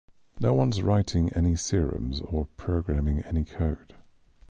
No one's writing any theorems or programming any code.